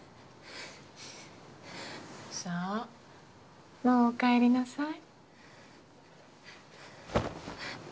さあもうお帰りなさい。